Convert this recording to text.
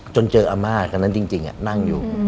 จนเจออาม่าตอนนั้นจริงนั่งอยู่